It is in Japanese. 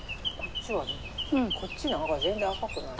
こっちの葉が全然赤くない。